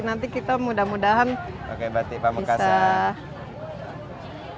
nanti kita mudah mudahan pakai batik pamekasan